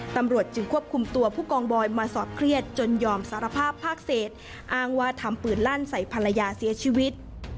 ตำรวจจึงควบคุมตัวผู้กองบอยมาสอบเครียดจนยอมสารภาพภาคเศษอ้างว่าทำปืนลั่นใส่ภรรยาเสียชีวิต